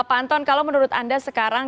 pak anton kalau menurut anda sekarang